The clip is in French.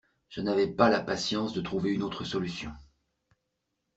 Je n'avais pas la patience de trouver une autre solution.